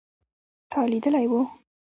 تا لیدلی و